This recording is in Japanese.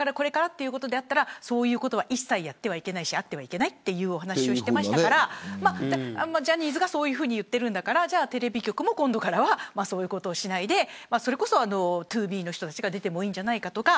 これから、そういうことは一切やってはいけないしあってはいけないという話をしていましたからジャニーズが、そういうふうに言っているんだからテレビ局も今度からはそういうことをしないでそれこそＴＯＢＥの人たちが出てもいいんじゃないかとか。